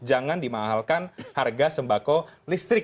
jangan dimahalkan harga sembako listrik